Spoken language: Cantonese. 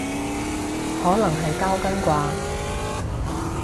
可能係交更啩